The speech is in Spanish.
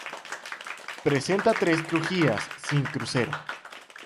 Presenta tres crujías sin crucero.